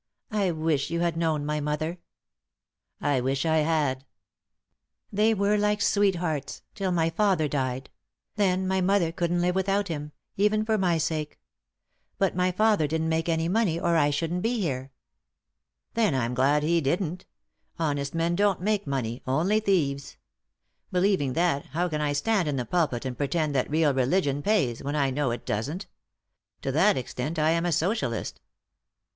" I wish you had known my mother." " I wish I had." "They were like sweethearts, till my father died ; then my mother couldn't live without him, even for my 89 3i 9 iii^d by Google THE INTERRUPTED KISS sake. But my father didn't make any money, or I shouldn't be here." "Then I'm glad he didn't Honest men don't make money — only thieves. Believing that, how can I stand in the pulpit and pretend that real religion pays, when I know it doesn't ? To that extent I am a Socialist."